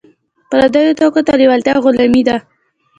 پردیو توکو ته لیوالتیا غلامي ده.